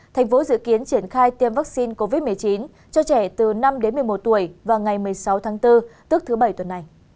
thành phố dự kiến triển khai tiêm vaccine covid một mươi chín cho trẻ từ năm đến một mươi một tuổi vào ngày một mươi sáu tháng bốn tức thứ bảy tuần này